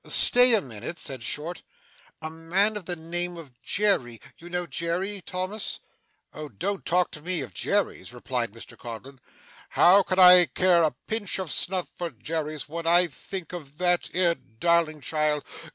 'Stay a minute,' said Short. 'A man of the name of Jerry you know Jerry, Thomas?' 'Oh, don't talk to me of Jerrys,' replied Mr Codlin. 'How can I care a pinch of snuff for Jerrys, when I think of that 'ere darling child?